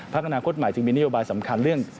อนาคตใหม่จึงมีนโยบายสำคัญเรื่อง